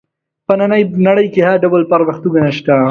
په نننۍ نړۍ کې هر ډول پرمختګونه شته.